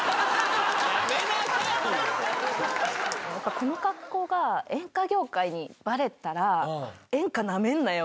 この格好が演歌業界にバレたら演歌ナメんなよ！